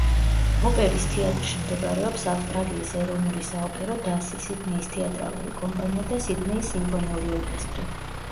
ოპერის თეატრში მდებარეობს ავსტრალიის ეროვნული საოპერო დასი, სიდნეის თეატრალური კომპანია და სიდნეის სიმფონიური ორკესტრი.